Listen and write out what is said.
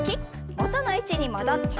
元の位置に戻って。